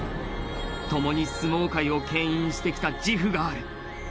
共に相撲界をけん引してきた自負がある。